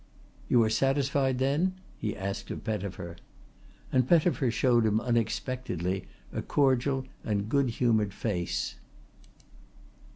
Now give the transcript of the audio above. "You are satisfied then?" he asked of Pettifer; and Pettifer showed him unexpectedly a cordial and good humoured face.